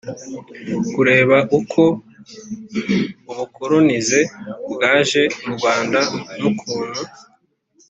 - kureba uko ubukolonize bwaje mu rwanda n'ukuntu